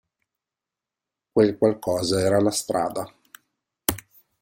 Quel "qualcosa" era la strada.